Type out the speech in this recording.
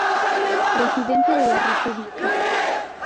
Presidente de la República.